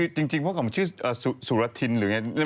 จริงเพราะเขาชื่อสุรทินหรือไง